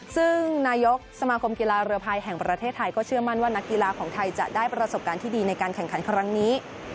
ซึ่งนายกสมาคมกีฬาเรือภายแห่งประเทศไทยก็เชื่อมั่นว่านักกีฬาของไทยจะได้ประสบการณ์ที่ดีในการแข่งขันครั้งนี้